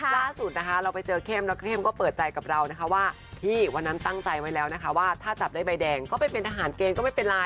ล่าสุดนะคะเราไปเจอเข้มแล้วเข้มก็เปิดใจกับเรานะคะว่าพี่วันนั้นตั้งใจไว้แล้วนะคะว่าถ้าจับได้ใบแดงก็ไปเป็นทหารเกณฑ์ก็ไม่เป็นไร